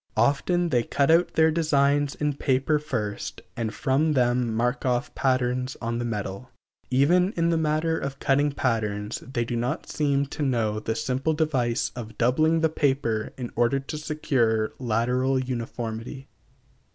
Often they cut out their designs in paper first and from them mark off patterns on the metal. Even in the matter of cutting patterns they do not seem to know the simple device of doubling the paper in order to secure lateral uniformity.